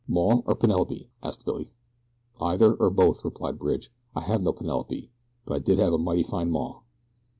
"'Maw,' or 'Penelope'?" asked Billy. "Either, or both," replied Bridge. "I have no Penelope, but I did have a mighty fine 'maw'."